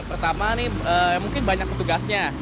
pertama ini mungkin banyak petugasnya